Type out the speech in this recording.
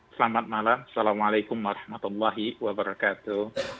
selamat malam assalamualaikum warahmatullahi wabarakatuh